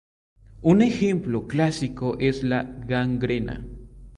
Un ejemplo clásico es la gangrena.